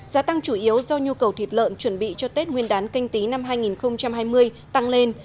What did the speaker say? giá tăng chủ yếu do nhu cầu thịt lợn chuẩn bị cho tết nguyên đán canh tí năm hai nghìn hai mươi tăng lên